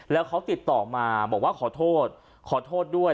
แล้วเขาติดต่อมาบอกว่าขอโทษขอโทษด้วย